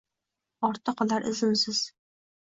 Ortda qolar izimsiz.